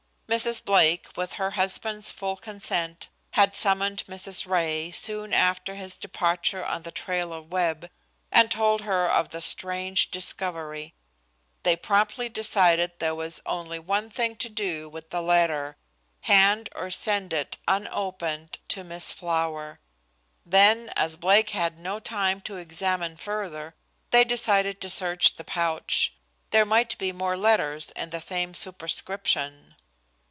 Mrs. Blake, with her husband's full consent, had summoned Mrs. Ray, soon after his departure on the trail of Webb, and told her of the strange discovery. They promptly decided there was only one thing to do with the letter; hand or send it, unopened, to Miss Flower. Then, as Blake had had no time to examine further, they decided to search the pouch. There might be more letters in the same superscription.